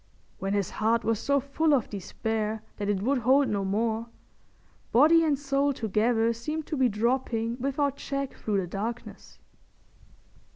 When his heart was so full of despair that it would hold no more, body and soul together seemed to be dropping without check through the darkness.